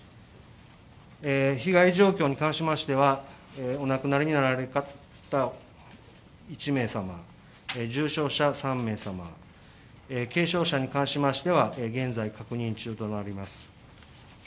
被害状況に関しましてはお亡くなりに成られた方１名様、重傷者３名様、軽傷者に関しましては現在、確認中となります。